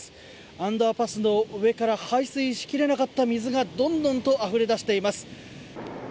アンダーパスの上から排水し切れなかった水がどんどんとあふれ出しています。